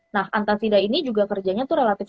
nah antasida ini juga kerjanya itu relatif